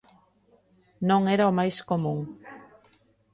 Non era o máis común.